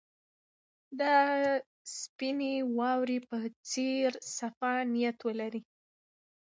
د سپینې واورې په څېر صفا نیت ولرئ.